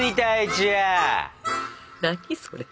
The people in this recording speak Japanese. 何それ？